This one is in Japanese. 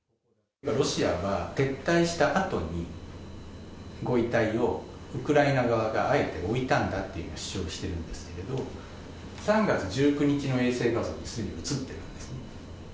ロシアは、撤退したあとに、ご遺体をウクライナ側があえて置いたんだっていう主張をしてるんですけれど、３月１９日の衛星画像ですでに写ってるんですね。